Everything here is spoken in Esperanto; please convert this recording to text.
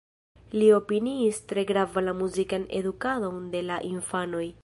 Li opiniis tre grava la muzikan edukadon de la infanoj.